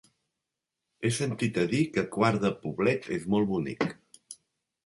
He sentit a dir que Quart de Poblet és molt bonic.